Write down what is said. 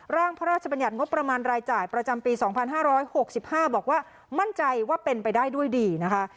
ร่างพระราชบัญญัติงบประมาณรายจ่ายประจำปี๒๕๖๕บอกว่ามั่นใจว่าเป็นไปได้ด้วยดีนะคะ